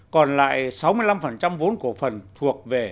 còn lại sáu mươi năm vốn cổ phần thuộc về